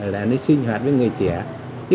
là nó sinh hoạt với người trẻ